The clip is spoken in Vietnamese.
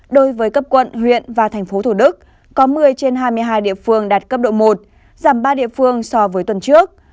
đối với cấp quận huyện và thành phố thủ đức có một mươi trên hai mươi hai địa phương đạt cấp độ một giảm ba địa phương so với tuần trước